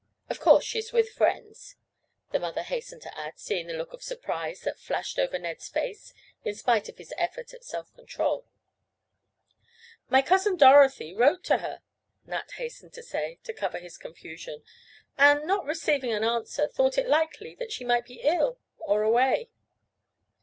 Of course she's with friends," the mother hastened to add, seeing the look of surprise that flashed over Ned's face in spite of his effort at self control. "My cousin, Dorothy, wrote to her," Nat hastened to say, to cover his confusion, "and, not receiving an answer, thought it likely that she might be ill, or away."